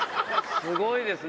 すごいですね。